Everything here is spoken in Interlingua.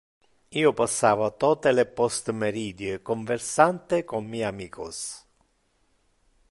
Io passava tote le postmeridie conversante con mi amicos.